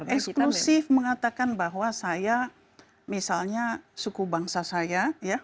eksklusif mengatakan bahwa saya misalnya suku bangsa saya